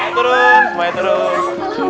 gitu tentu tahu